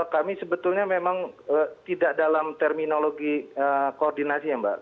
kami sebetulnya memang tidak dalam terminologi koordinasi ya mbak